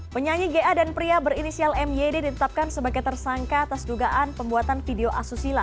penyanyi ga dan pria berinisial myd ditetapkan sebagai tersangka atas dugaan pembuatan video asusila